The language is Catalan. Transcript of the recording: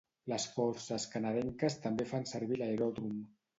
Les Forces canadenques també fan servir l'aeròdrom.